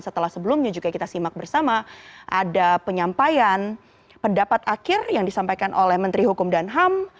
setelah sebelumnya juga kita simak bersama ada penyampaian pendapat akhir yang disampaikan oleh menteri hukum dan ham